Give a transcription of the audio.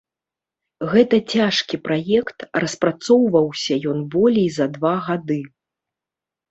Гэта цяжкі праект, распрацоўваўся ён болей за два гады.